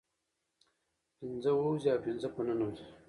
پنځه ووزي او پنځه په ننوزي